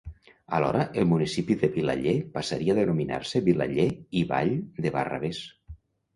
Alhora, el municipi de Vilaller passaria a denominar-se Vilaller i Vall de Barravés.